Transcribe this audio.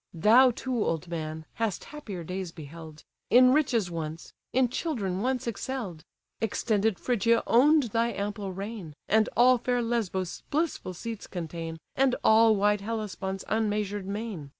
Thou too, old man, hast happier days beheld; In riches once, in children once excell'd; Extended Phrygia own'd thy ample reign, And all fair Lesbos' blissful seats contain, And all wide Hellespont's unmeasured main.